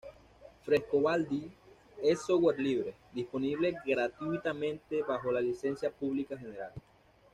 Frescobaldi es software libre, disponible gratuitamente bajo la Licencia Pública General.